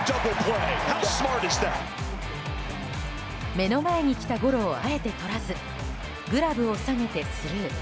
目の前に来たゴロをあえてとらずグラブを下げてスルー。